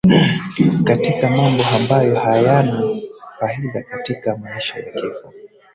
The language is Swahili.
katika mambo ambayo hayana faida katika maisha ya kifo